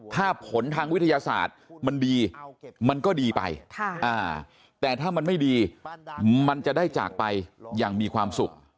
ถ้าผลทางวิทยาศาสตร์มันดีมันก็ดีไปแต่ถ้ามันไม่ดีมันจะได้จากไปอย่างมีความสุข